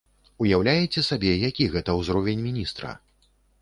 Уяўляеце сабе, які гэта ўзровень міністра!